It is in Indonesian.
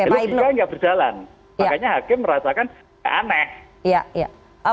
tapi jika tidak berjalan makanya hakim merasakan aneh